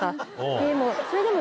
でもそれでも。